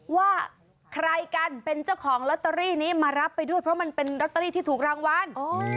ว่าใครกันเป็นเจ้าของลอตเตอรี่นี้มารับไปด้วยเพราะมันเป็นลอตเตอรี่ที่ถูกรางวัล